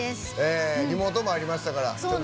リモートもありましたから。